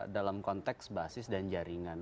dalam konteks basis dan jaringan